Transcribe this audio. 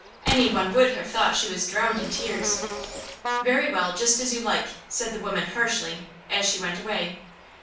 Any one would have thought she was drowned in tears. "Very well; just as you like," said the woman harshly, as she went away.